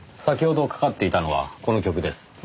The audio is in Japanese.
先ほどかかっていたのはこの曲です。